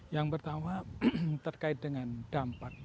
yang pertama terkait dengan dampak